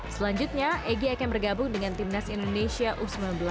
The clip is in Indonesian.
selanjutnya egy akan bergabung dengan timnas indonesia u sembilan belas